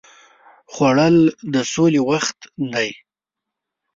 خوړل د سولې وخت دی